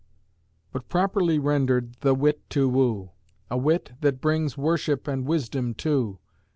But, properly rendered, "The wit to woo!" A wit that brings worship and wisdom too!